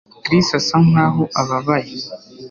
Chris asa nkaho ababaye